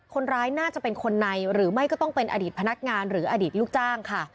คนร้ายน่าจะเป็นคนในหรือไม่ก็ต้องเป็นอดีตพนักงานหรืออดีตลูกจ้างค่ะ